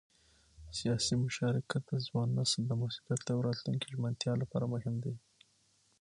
سیاسي مشارکت د ځوان نسل د مسؤلیت او راتلونکي ژمنتیا لپاره مهم دی